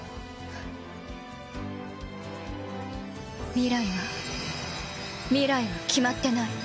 未来は未来は決まってない。